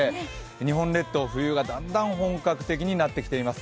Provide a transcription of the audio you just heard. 日本列島、冬がだんだん本格的になってきています。